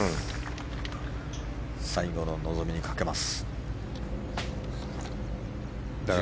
最後の望みにかけます。